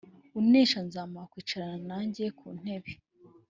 unesha nzamuha kwicarana nanjye ku ntebe